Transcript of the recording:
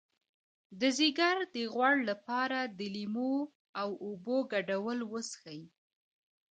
د ځیګر د غوړ لپاره د لیمو او اوبو ګډول وڅښئ